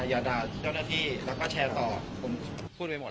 อย่าด่าเจ้าหน้าที่แล้วก็แชร์ต่อผมพูดไปหมด